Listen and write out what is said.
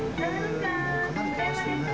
もうかなり飛ばしてるね。